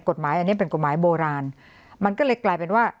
กฎหมายอันนี้เป็นกฎหมายโบราณมันก็เลยกลายเป็นว่า